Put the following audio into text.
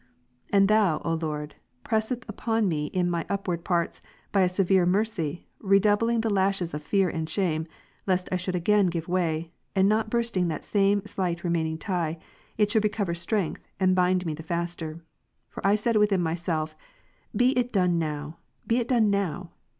And Thou, O Lord, press edst upon me in my inward parts by a severe mercy, re doubling the lashes of fear and shame, lest I should again give way, and not bursting that same slight remaining tie, it should recover strength, and bind me the faster. For I said within myself, " Be it done now, be it done now."